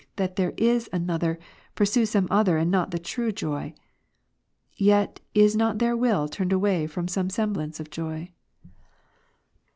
201 they who think there is another, pursue some other and not the true joy. Yet is not their will turned away from some semblance of joy.